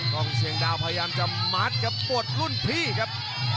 อกงเสียงดาวถึงจะมัสครับหมดรุ่นผีครับ